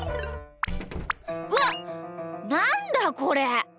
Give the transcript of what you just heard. うわなんだこれ！